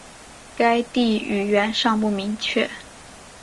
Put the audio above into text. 该地语源尚不明确。